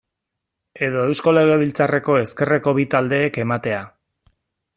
Edo Eusko Legebiltzarreko ezkerreko bi taldeek ematea.